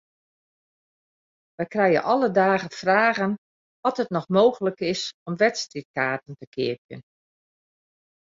Wy krije alle dagen fragen oft it noch mooglik is om wedstriidkaarten te keapjen.